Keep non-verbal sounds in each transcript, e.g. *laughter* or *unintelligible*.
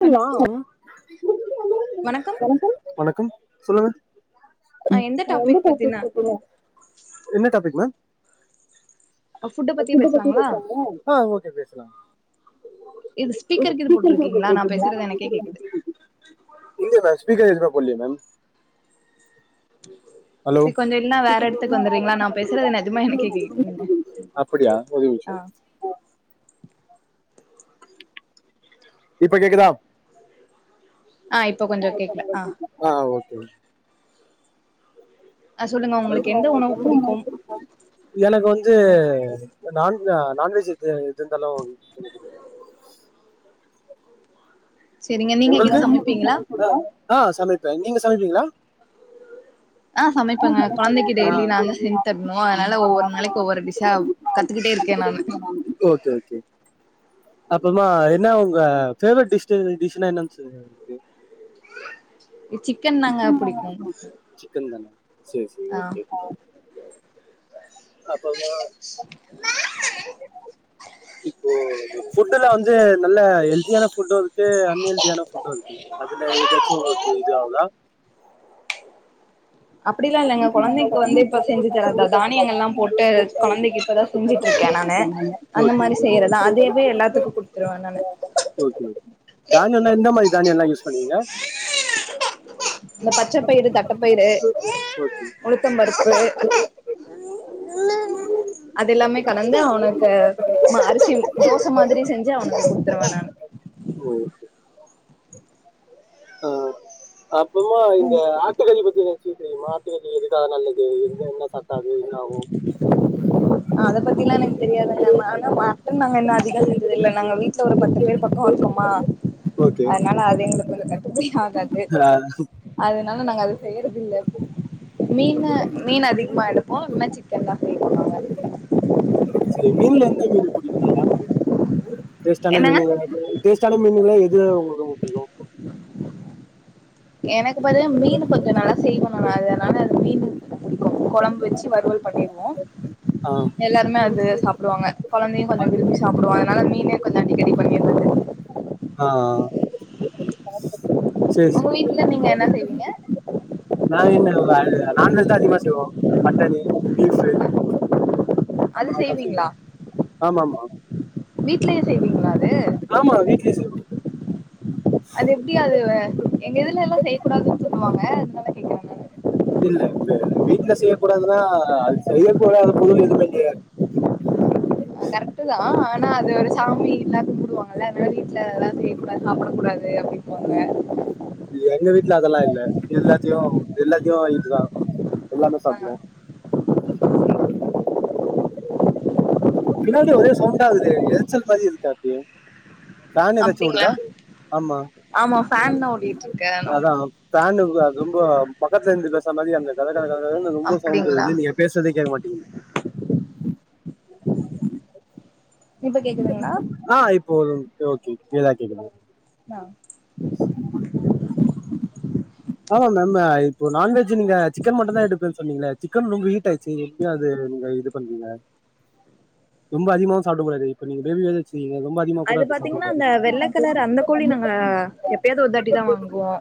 *unintelligible* வணக்கம் சொல்லுங்க என்ன டாபிக் மேம் ஆஹ் ஓகே பேச லாம் இது ஸ்பீக்கருக்கு இது போட்டிருக்கீங்களா நா பேச பேசுறது எனக்கே கேக்குது ஸ்பீக்கர் எதுவுமே போலைய மேம் ஹலோ அப்படியா ஒரே நிமிஷம் இப்ப கேக்குதா ஆஹ் இப்போ கொஞ்ச கேக்கல ஆ தோழி எனக்கு வந்து நான் இல்ல நான்வெஜ் இ ஏது இருந்தாலும் கொஞ்சோ புடிக்கும் உங்களுக்கு அ ஆஹ் சமைப்பேன் நீங்க சமைப்பீங்களா *inaudible* ஆஹ் சமைப்பேங்க குழந்தைக்கு டெய்லி நான தான் செஞ்சு தரணும் அதனால ஒவ்வொரு நாளைக்கு ஒவ்வொரு டிசா கத்துக்கிட்டே இருக்கேன் நானு அப்பறமா என்ன உங்க பேவரட் டிஷ டிஷ் அப்படின்னா என்னங் சே இருக்கு சிக்கன் தாங்க பிடிக்கும் சேரி சேரி ஓகேங்க அப்பறமா இப்போ ஃபுட்டு்ல வந்து நல்ல ஹெல்தியான ஃபுட்டூ இரு க்கு அன் ஹெல்தியான ஃபுட்டூ இருக்கு அதுல எதாச்சு உங்களுக்கு இது ஆவுதா *inaudible* அப்டிலா இல்லங்க கொழந்தைக்கு வந்து இப்ப செஞ்சு தரா தா தானியங்கள்லா போட்டு கொழந்தைக்கு இப்பதா செஞ்சுட்ருக்கே நானு அந்த மாரி செய்யறதா அதயவே எல்லாத்துக்கு குடுத்துருவே நானு பண்ணுவீங்க இந்த பச்சப்பயிறு தட்டப்பயிறு உளுத்தம்பருப்பு அது எல்லாமே கலந்து அவனுக்கு அரிசி தோச மாதிரி செஞ்சு அவனுக்கு குடுத்துருவே நானு ஆ அப்பமா இந்த ஆட்டுக்கறி பத் *unintelligible* தெரிமா *unintelligible* எதுக்கா நல்லது எந்த என்ன சா அது என்னாவோ அதபத்தில்லா எனக்கு தெரியாதுங்க *unintelligible* மட்டன் நாங்க இன்னு அதிகொ செஞ்சதில்ல நாங்க வீட்ல ஒரு பத்து பேர் பக்கொ இருக்கோமா அனால அது எங்களுக் கொஞ்ச கஷ் ஆகாது அதுனால நாங்க அத செய்யறதில்ல *unintelligible* மீனு மீன் அதிகமா எடுப்போ மெசிக்கன் தா செய்வோ நாங்க *unintelligible* *unintelligible* டேஸ்டான மீனு டேஸ்டான மீனுங்கள எ து உங்களுக்கு ரொம்ப புடிக்கு எனக்கு பத்தன மீனு கொஞ்ச நல்லா செய்வனனு அதனால மீன் புடிக்கு கொழம்பு வச்சு வறுவல் பண்ணிருவோ எல்லாருமே அது சாப்புடுவாங்க கொழந்தையு கொஞ்சொ விரும்பி சாப்புடுவா அதனால மீனே கொஞ்ச அடிக்கடி *inaudible* ஆ ‌‌ஆ *unintelligible* உங்க வீட்ல நீங்க என்ன செய்வீங்க நா என்ன நான் வெஜ் தா அதிகமா செய்வோ மட்டனு பீஃபு அது செய்வீங்ளா வீட்லயே செய்வீங்களா அது அது எப்டி அது எங்க இதுலல்லா செய் யக்கூடாதுன்னு சொல்லுவாங்க அதனால கேக்குறே நானு இல்ல அது வீட்ல செய்யக்கூடாதுன்னா அது செய்யக்கூடாத பொருள் எதுவுமே இல்லயே அ கரெக்டுதா ஆ னா அது ஒரு சாமி இல் லா கும்புடுவாங்கல்ல அதனால வீட்ல அதெல்லா செய்யக்கூடாது சாப்படக் கூடா து அப்டிம்பாங்க எங்க வீட்ல அதல்லா இல்ல எல்லாத்தையு எல்லாத்தையு இதுதா எல்லாமே சாப்டுவோ பின்னாடி ஒரே சவுண்டா இருக்குதே எரைச்சல் மாரி இருக்கே அப்பயு ஃபேன் ஏதாச்சு ஓடுதா ஆமா அதா ஃபேன் *unintelligible* ரொம்போ பக்கத்துல இருந்து பேசற மாரி அந்த *unintelligible* கரகரன்னு ரொம்ப சவுண்டு *unintelligible* *unintelligible* கேக்க மாட்டேங்குது ஆஹ் இப்போ ஒரு ஓக் கே கிளியரா கேக்குது ஆ ஆமா மேம் ஆ இப்போ நான்வெஜ் ஜு நீங்க சிக்கன் மட்டன்தா எடுப்பேன்னு சொன்னீங்கல்ல சிக்கன் ரொம்ப ஹீட் ஆச்சு எப்டி அது நீங்க இது பண்றீங்க ரொம்ப அதிகமாவு சாப்ட கூடாது இப்ப நீங்க பேபி வேற வச் சிருக்கீங்க ரொம்ப அதிகமா கூட அது சாப்ட கூடாது எப்பயாது ஒருதாட்டிதா வாங்குவோ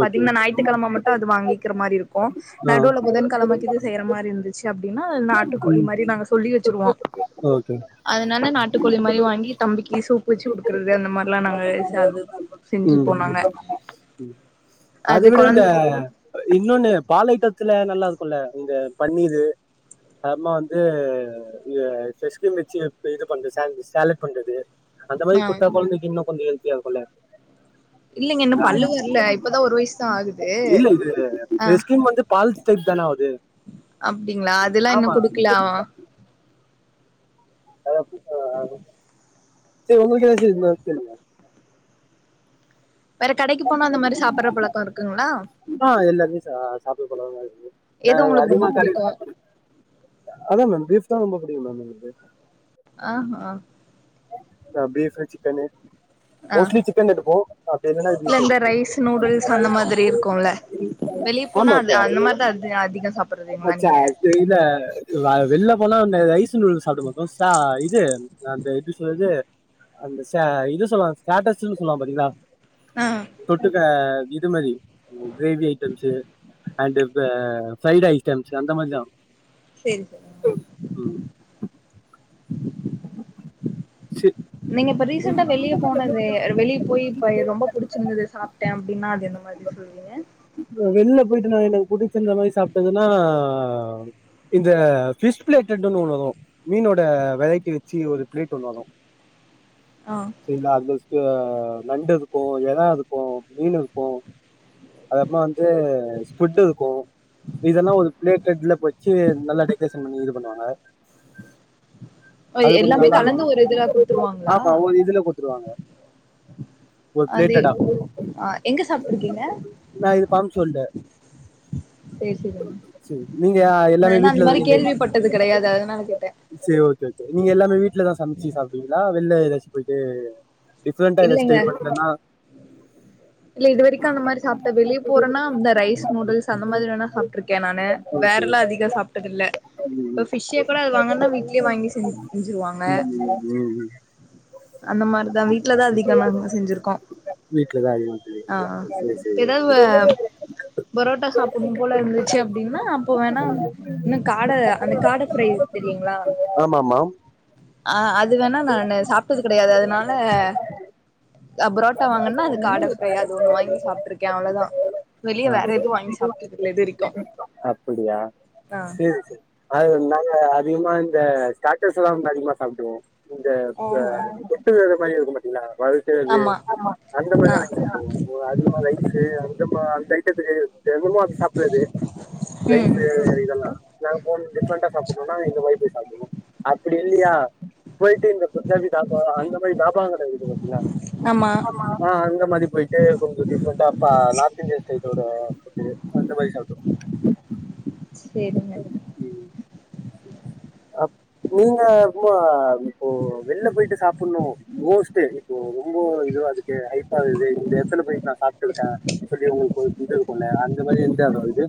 பாத்தீங்கன்னா ஞாயித்துக்கெழம மட்டு அது வாங்கிக்கிற மாரி இருக்கு நடுவுல புதன் கெழம கீது செய்யற மாரி இருந்துச்சு அப்டின்னா அது நாட்டுக்கோழி மாரி நாங்க சொல்லி வச்சருவோ அதனால நாட்டுக்கோழி மாரி வாங்கி தம்பிக் கி சூப்பு வச்சு குடுக்குறது அந்த மாரிலா நாங்க செ அது உம் ம் ம் அத விட இந்த இன்னொன்னு பால் ஐட்ட த்துல நல்லா இருக்குல்ல இந்த பன்னீரு அப்புறமா வந்து இது ஃப்ரெஷ் கிரீம் வச்சு இப் இது பண்றது சாண்ட்வெஜ் சாலட் பண்றது அந்த மாரி குடுத்தா கொழந்தைக்கி இன்னு கொஞ்ச ஹெல்த்தியா இருக்கும்ல இல்ல இது ஃப்ரெஷ்கிரீம் வந்து பால் *unintelligible* ஆவுது அப்படிங்களா அதெல்லாம் இன்னும் குடுக்கலாவ சரி உங்களுக்கு ஏதாச்சும் இது மாரி தெரியும ஆஹ் எல்லார்த்தயும் சா சாப்பிட்டு பழக்கம் ஆயிருச்சு நாங்க அதிகமா கடையில அதான் மேம் பீப் தான் ரொம்ப புடிக்கு மேம் இது ஆஹ ஆஹ ஆஹ பீஃப் சிக்கனு மோஸ்லி சிக்கன் எடுப்போ அப்டி இல்லனா பீஃப் எடுப்போ ஆமாக்கா ச்ச அது இல்ல ந வெளிள போனா ரைஸ் நூடுல்ஸ் சாப்பிட மாட்டோம் ச இது அந்த *unintelligible* அந்த ச இது அந்த இது சொல்லாம் ஸ்டேட்டஸ்ன்னு சொல்லுவாங்க பாத்தீங்களா ஆஹ் ஆ இதுமாறி கிரேவி ஐட்டம்ஸ் சு அண்ட் அஹ் ஃரைட் ஐட்டம்ஸ் அந்த மாரி தா சேரி சேரிங்க நீங்க இப்ப ரீசண்டா வெளியே போனது வெளியே போய் இப்ப ரொம்ப புடிச்சிருந்தது சாப்பிட்டேன் அப்படின்னா அது எந்த மாரி அப்படி சொல்றீங்க அ எனக்கு புடிச்சு புடிச்சிருந்தா இந்த மாரி சாப்பிட்டதுன்னா ஆ இந்த பிஷ் பிளேட் ஒண்ணுதும் மீனோட வெரைட்டி வச்சு ஒரு பிளேட் உணரும் சரிங்க ளா அ *unintelligible* *unintelligible* நண்டுதுக்கும் இறாஇருக்கு மீன் இருக்கும் அதுப்புறமா வந்து ஸ்குட் இருக்கு இதெல்லாம் ஒரு பிளேடட்ல போச்சு நல்லா டெக்கரேஷ் பண்ணி இது பண்ணுவாங்க அது கொஞ்சம் ஆமா ஒரு இதுல குத்துருவாங்க அது அஹ் எங்க சாப் நா இது இப் அம்சுண்டு சேரி நீங்க எல்லாமே வீட்டுல நீங்க சேரி ஓகே ஓகே நீங்க எல்லாமே வீட்டுலதான் சமைச்சு சாப்பிடுவீங்களா அ வெளள்ள ஏதாச்சும் போயிட்டு டிஃபரெண்ட் ஏதாச்சு ட்டெரை *unintelligible* இல்ல இது வரைக்கும் அந்த மாரி சாப்பிட்ட வெளியே போறேன்னா இந்த ரைஸ் நூடுல்ஸ் அந்த மாரி வேணா சாப்பிட்டு இருக்கேன் நான வேற எல்லாம் அதிகம் சாப்பிட்டது இல்லல இப்ப பிஷ்ஷே கூட அது வாங்கனா வீட்லயே வாங்கி செஞ்ச செஞ்சிருவாங்க அந்த மாரிதான் வீட்டுலதான் அதிகம் நா செஞ்சிருக்கோம் ஆஹ் அஹ் ஏதாவது வ பரோட்டா சாப்பிடும் போல இருந்துச்சு அப்படின்னா அப்போ வேணா இன்னும் காடல அந்த காடை ஃப்ரை தெரியுங்களா அஹ் அது வேணா நானு சாப்பிட்டது கிடையாது அதனால அ பரோட்டா வாங்கன்னா அது காடை ஃப்ரை அது ஒண்ணு வாங்கி சாப்பிட்டு இருக்கேன் அவ்வளவுதான் வெளியே வேற எதுவும் வாங்கி சாப்பிட்டுதுல இது வரைக்கு ஆஹ் அதிகமா இந்த ஸ்டார்ஸ் எல்லாம் வந்து அதிகமா சாப்பிட்ருவோம் இந்த வெட்டி வேறு மாரி இருக்கும் பாத்தீங்களா வருக்கிறது ஆஹ் அந்த மாரி வாங்கி சாப்பிடுவோம் அதிகமா ரைஸ்ஸு அங்கம்பம் அந்த இது இது தெனமும் அது சாப்பிடுறது ரைஸ் இதெல்லாம் நாங்க போய் டிஃப்ரெண்டா சாப்பிடனும்னா இந்த மாரி போய் சாப்பிடுவோம் அப்படி இல்லையா போய்ட்டு இந்த பஞ்சாபி டாப்பா அந்த மாரி டாப்பான ஹோட்டல் கூட்டி போறது இல்ல ஆமா ஆஹ் அந்த மாரி போயிட்டு கொஞ்சம் டிஃரெண்ட்டா அப்ப நார்த் இந்தியா ஸ்டைல் அஹ் அந்த மாரி சாப்டுவோம் செரிங்க ஆஹ் நீங்க ஆமா இப்போ வெளில போயிட்டு சாப்பிடணும் மோஸ்ட்டு இப்போ ரொம்ப அதுக்கு ஐப்பன் இந்த எத்தன பிளேட் நான் சாப்பிட்டு இருக்கேன் சொல்லி இது இருக்கும்ல அந்த மாதிரி இருந்த இது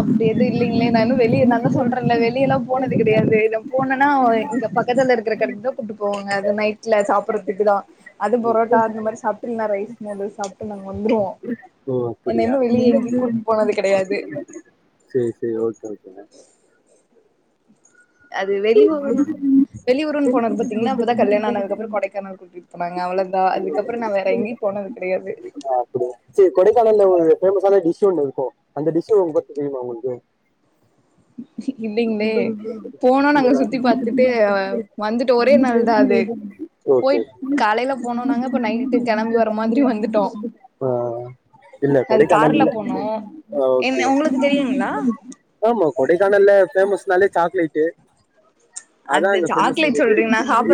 அப்படி எது இல்லைங்களே நான் இன்னும் வெளியே நான் தான் சொல்றேன் வெளியே எல்லாம் போனது கிடையாது நாள் போனேன்னா இங்க பக்கத்துல இருக்கிற கடைக்குதான் கூட்டு போவாங்க அது நைட்ல சாப்பிடுறதுக்கு தான் அது பொரோட்டா அந்த மாதிரி சாப்ட்டு ரைஸ் நூனுடல்ஷ் சாப்ட்டு வந்துருவோம் என்ன இன்னும் வெளியே எங்கையும் கூட்டிட்டு போனது கிடையாது செரி செரி ஓகே ஓகேங்க அது வெளியூர்ன்னு வெளியூர் போனது பாத்தீங்கன்னா அப்பதான் கல்யாணம் ஆனதுக்குப்புறம் கொடைக்கானல் கூட்டிட்டு போனாங்க அவ்ளோ தான் அதுக்கப்புறம் நான் வேற எங்கேயும் போனது கிடையாது ஓ அந்த டிஷ் உங்க தெரியுமா உங்களுக்கு இல்லைங்களே போ *unintelligible* ஓகே ஆஹ்ஹ் இல்ல கொடைக்கானல்ல ஆமா கொடைக்கானல்ல ஃபேமஸ் நாலே சாக்லேட்டு் அதான் அங்க ஃபேமஸ் இருக்கு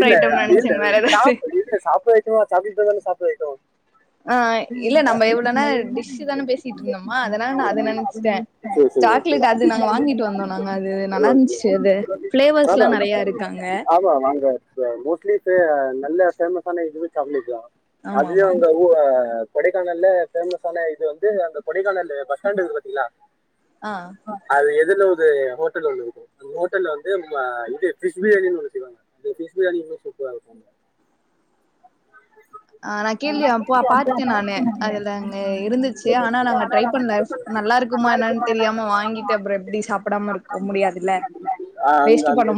இல்ல இல்ல சாப்பு இல்ல சாப்பு சாக்லேட்டும் சாக்லேட் சாப்ப ஐட்டம் ஆஹ் இல்ல நம்ம எவ்ளோனா டிஷ் தானே பேசிட்டு இருந்தோம்மா அதனால நான் அது நினைச்சுட்டேன் சாக்லேட் அது நாங்க வாங்கிட்டு வந்தோம் நாங்க அது நல்லா இருந்துச்சு அது ஆமா ஆமா வாங்க மோஸ்ட்லி சு நல்ல ஃபேமஸ் ஆனா இது சாக்லேட் தான் அதுே வந்த அவ்ளோ கொடைக்கானல்ல பேமஸ் ஆனா இது வந்து அந்த கொடைக்கானல் பஸ் ஸ்டாண்ட் இருக்குது பாத்தீங்களா ஆஹ் அது இலது ஹோட்டல் ஒன்னு இருக்கு அந்த ஹோ வந்து இ பிஷ் பிரியாணின் ஒன்னு செய்வாங்க அந்த பிஷ் பிரியாணி ஆஹ் நான் கேள்வியா அப்ப பாத்தேன் நானு அதுலங்க இருந்துச்சு ஆனா நாங்க ட்ரைப்பண்ல நல்லா இருக்குமா என்னான்னு தெரியாம வாங்கிட்டு அப்பறம் எப்டி சாப்டாம இருக்கவும் முடியாதுல்லை ஆஹ் அங்க அந்த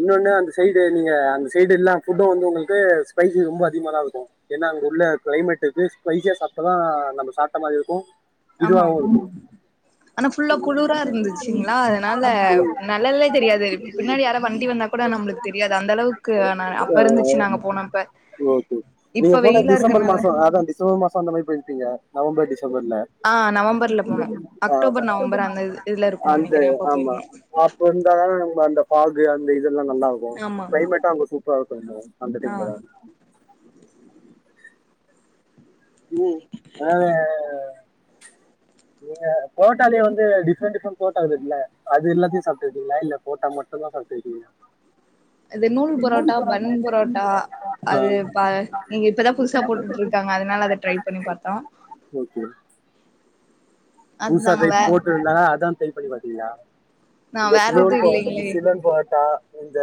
இன்னொன்னு அந்த சைடு நீங்க அந்த சைடு எல்லாம் ஃபுட்டும் வந்து உங்களுக்கு ஸ்பைசி ரொம்ப அதிகமா தான் இருக்கும் ஏன்னா அங்க உள்ள கிளைமேட்டு்க்கு ஸ்பைசியா சாப்டாதான் நம்ம சாப்ட மாரி இருக்கும் இதுவா உ ஆனா புல்லா குளுரா இருந்துச்சுங்களா அதனால நெழல்லே தெரியாது இப்ப பின்னாடி யார வண்டி வந்தா கூட நம்மளுக்கு தெரியாது அந்த அளவுக்கு அப்ப இருந்துச்சு நாங்க போனப்ப இப்ப வெயிலாருக்க நால நவம்பர் டிச டிசம்பர்ல ஆஹ் அ ஆமா அப்ப இருந்த ந அந்த அந்த இது நல்லா இருக்கும் கிளைமேட்ட அங்க சூப்பரா இருக்கும் அந்த டைம்ல தான் உம் ஆஹ் நீங்க புரோட்டாலேயே வந்து டிஃப்ரெண்ட் டிஃப்ரெண்ட் போட்டா இருக்குல இல்ல அது எல்லாத்தையும் சாப்டு இருக்கீங்களா இல்ல புரோட்டா மட்டும் தான் சாப்டுருக்கீங்களா அது நூல் புரோட்டா பன் புரோட்டா அது பா இங்க இப்பதான் புதுசா போட்டுட்டுருக்காங்க அதனால அத ட்ரை பண்ணி பாத்தோம் புதுசா ட்ரை போட்டிருந்தா அதான் தை தொழி பாத்தீங்ளா இந்த சிவன் போட்ட சிவன் போட்டா இந்த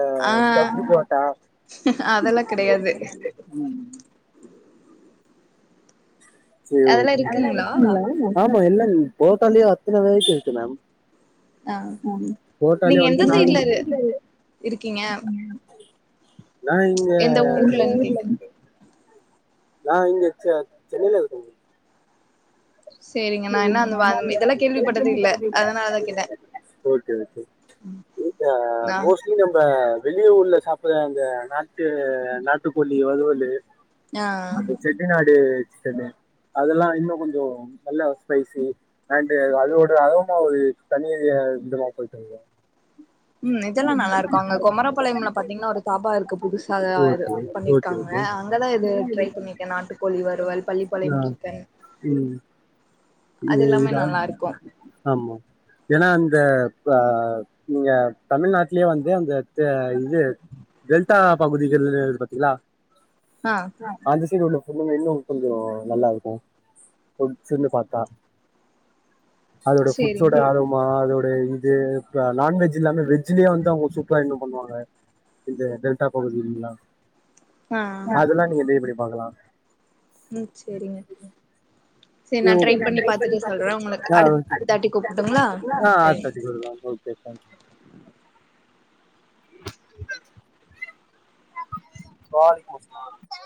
ப்பு போட்டா *unintelligible* என்ன போட்டாலியே அத்தின வெரைட்டி இருக்கு மேம் போட்டாலே வந்து ந நான் இங்க நான் இங்க சென் சென்னையில இருக்கேங்க ஓகேஓகே மொஸ்லி நம்ம வெளிய ஊர்ல சாப்பற அந்த நாட்டு நாட்டுக்கோழி வருவலு அந்த செட்டிநாடு அதெல்லாம் இன்னும் கொஞ்சம் நல்ல ஸ்பைசி அண்ட் அதோட அரொமா ஒரு தண்ணி இந்த மா போட்டுருவோம் உம் இதெல்லாம் நல்லா இருக்கும் அங்க கொமரப்பாளையம்ல பாத்தீங்கன்னா ஒரு தாபா இருக்கு புதுசா இது பண்ணிருக்காங்க அங்கதான் இது ட்ரை பண்ணிக்கேன் நாட்டுக்கோழி வறுவல் பள்ளிப்பாளையம் சிக்கன் இத ஆமா ஏன்னா அந்த அ நீங்க தமிழ்நாட்லயே வந்து அந்த இது டெல்டா பகுதிகள் பாத்தீங்ளா அந்த கீழ உள்ள பொண்ணுங்க இன்னு கொஞ்சொ நல்லா இருக்கு ஒரு சின்ன பாத் தா அதோட ஃபுட்ஸோட ஆர்வமா அதோ ட இது ப நான்வெஜ் இல்லாம வெஜ்லயே வந்து அவுங்க சூப்பரா இன்னு பண்ணுவாங்க இந்த டெல்டா பகுதிலெல்லா அதுல்லா நீங்க ட்ரை பண்ணி பாக்கலா உம் சேரிங்க ம் ஆ ஓகே ஆ அடுதாட்டி *unintelligible* ஓகே தேங்க் யூ *unintelligible*